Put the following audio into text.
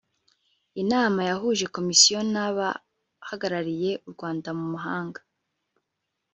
inama yahuje komisiyo n abahagarariye u rwanda mu mahanga